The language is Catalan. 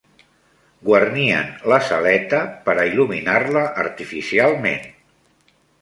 Guarnien la saleta per a il·luminar-la artificialment